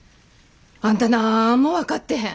あんたなんも分かってへん。